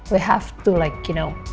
kita harus seperti